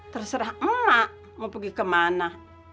terserah emak mau pergi kemana